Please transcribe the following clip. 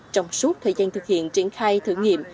trong suốt thời gian thực hiện triển khai thử nghiệm